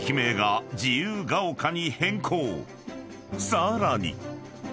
［さらに］